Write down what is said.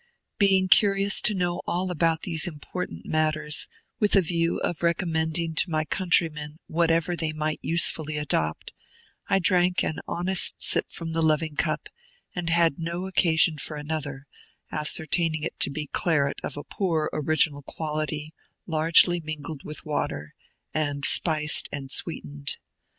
Being curious to know all about these important matters, with a view of recommending to my countrymen whatever they might usefully adopt, I drank an honest sip from the loving cup, and had no occasion for another, ascertaining it to be Claret of a poor original quality, largely mingled with water, and spiced and sweetened.